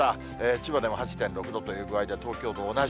千葉でも８．６度という具合で東京と同じ。